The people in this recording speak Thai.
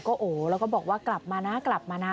ก็โอ๊ะแล้วก็บอกว่ากลับมานะ